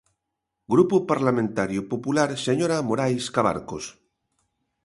Grupo Parlamentario Popular, señora Morais Cabarcos.